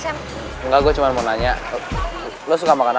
enggak gue cuma mau nanya lo suka makan apa